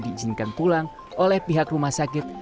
diizinkan pulang oleh pihak rumah sakit